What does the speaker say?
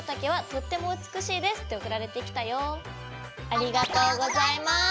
ありがとうございます。